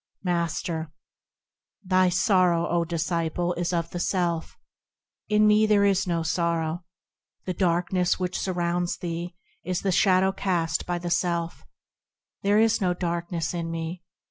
Master. Thy sorrow, O disciple ! is of the self ; In me there is no sorrow. The darkness which surrounds thee is the shadow cast by the self ; There is no darkness in me.